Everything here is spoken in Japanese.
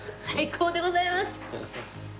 最高でございます！